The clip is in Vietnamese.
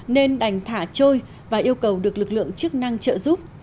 nên đành thả trôi và yêu cầu được lực lượng chức năng trợ giúp